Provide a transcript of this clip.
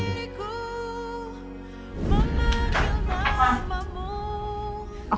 aku masih denger tau mas